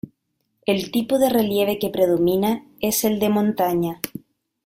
El tipo de relieve que predomina es el de montaña.